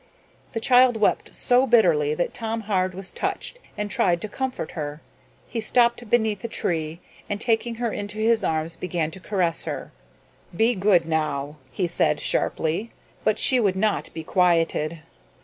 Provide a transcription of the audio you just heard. The child wept so bitterly that Tom Hard was touched and tried to comfort her. He stopped beneath a tree and, taking her into his arms, began to caress her. "Be good, now," he said sharply; but she would not be quieted.